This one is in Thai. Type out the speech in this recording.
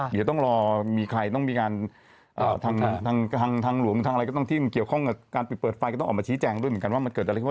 เดี๋ยวต้องรอมีใครต้องมีการทางหลวงทางอะไรก็ต้องที่เกี่ยวข้องกับการปิดเปิดไฟก็ต้องออกมาชี้แจงด้วยเหมือนกันว่ามันเกิดอะไรขึ้น